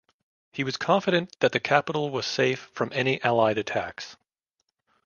He was confident that the capital was safe from any Allied attacks.